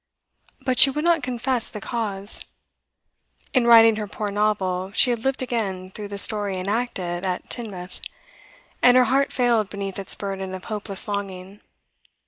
But she would not confess the cause. In writing her poor novel she had lived again through the story enacted at Teignmouth, and her heart failed beneath its burden of hopeless longing.